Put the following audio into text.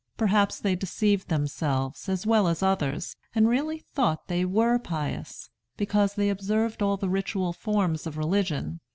Perhaps they deceived themselves, as well as others, and really thought they were pious, because they observed all the ritual forms of religion.